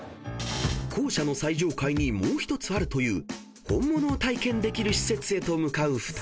［校舎の最上階にもう１つあるというホンモノを体験できる施設へと向かう２人］